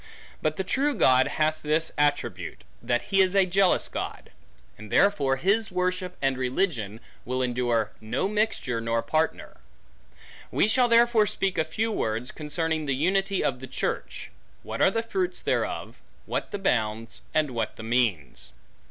But the true God hath this attribute, that he is a jealous God; and therefore, his worship and religion, will endure no mixture, nor partner. We shall therefore speak a few words, concerning the unity of the church; what are the fruits thereof; what the bounds; and what the means.